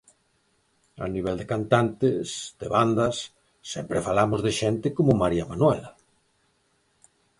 A nivel cantantes, de bandas... sempre falamos de xente como María Manuela.